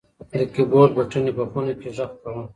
د کیبورډ بټنې په خونه کې غږ کاوه.